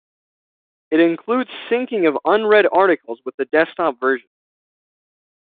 It includes syncing of unread articles with the desktop version.